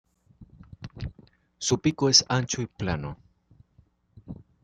Su pico es ancho y plano.